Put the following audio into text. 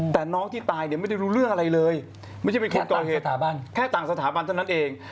แต่น้องที่ตายเนี่ยไม่ได้รู้เรื่องอะไรเลยแค่ต่างสถาบันเท่านั้นเอง